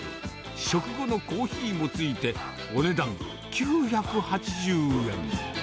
食後のコーヒーもついて、お値段９８０円。